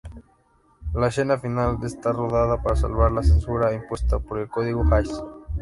La escena final está rodada para salvar la censura impuesta por el Código Hays.